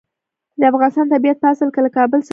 د افغانستان طبیعت په اصل کې له کابل څخه جوړ دی.